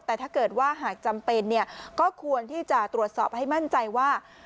แต่ถ้าเกิดว่าหากจำเป็นเนี่ยก็ควรที่จะตรวจสอบให้มั่นใจว่า